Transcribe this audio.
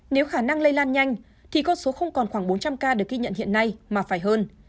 nếu khả năng lây lan nhanh thì con số không còn khoảng bốn trăm linh ca được ghi nhận hiện nay mà phải hơn